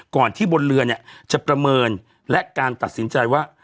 ที่บนเรือเนี่ยจะประเมินและการตัดสินใจว่า